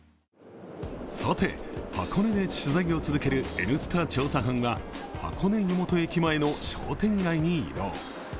さて、箱根で取材を続ける「Ｎスタ」調査班は箱根湯本駅前の商店街に移動。